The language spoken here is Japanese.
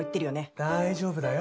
大丈夫だよ。